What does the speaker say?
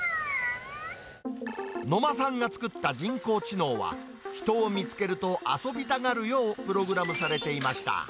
野間さんが作った人工知能は、人を見つけると遊びたがるようプログラムされていました。